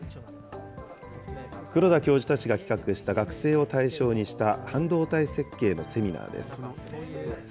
黒田教授たちが企画した、学生を対象にした半導体設計のセミナーです。